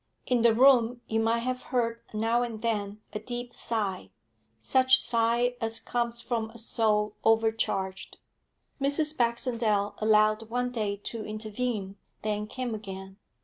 In the room you might have heard now and then a deep sigh, such sigh as comes from a soul overcharged. Mrs. Baxendale allowed one day to intervene, then came again.